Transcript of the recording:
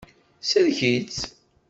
Sellek-itt.